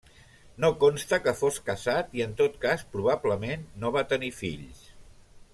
No consta que fos casat i en tot cas probablement no va tenir fills.